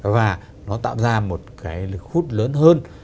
và nó tạo ra một cái lực hút lớn hơn